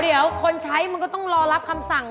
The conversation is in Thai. เดี๋ยวคนใช้มันก็ต้องรอรับคำสั่ง